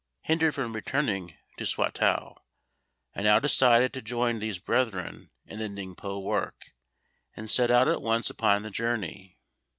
Hindered from returning to Swatow, I now decided to join these brethren in the Ningpo work, and set out at once upon the journey.